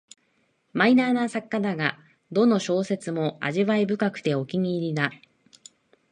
マイナーな作家だが、どの小説も味わい深くてお気に入りだ